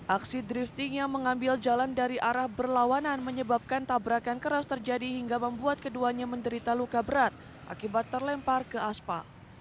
aksi drifting yang mengambil jalan dari arah berlawanan menyebabkan tabrakan keras terjadi hingga membuat keduanya menderita luka berat akibat terlempar ke aspal